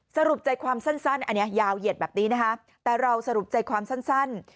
สรุปใจความสั้นอันนี้ยาวเหยียดแบบนี้นะคะแต่เราสรุปใจความสั้น